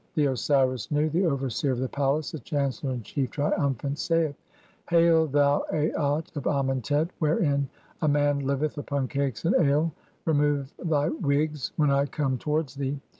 The Osiris Nu, the overseer of the palace, the chancellor in chief, triumphant, saith :— (2) "Hail, thou Aat of Amentet, wherein a man liveth upon cakes "and ale, 1 remove thy wigs (3) when I come towards thee.